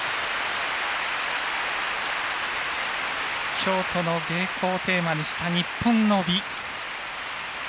京都の芸子をテーマにした日本の美。